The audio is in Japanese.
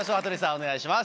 お願いします。